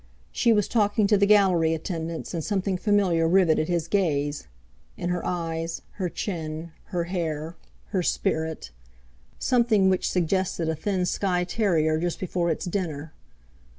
She was talking to the Gallery attendants, and something familiar riveted his gaze—in her eyes, her chin, her hair, her spirit—something which suggested a thin Skye terrier just before its dinner.